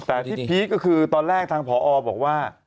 แต่ที่พีคก็คือตอนแรกทางผอบอกว่า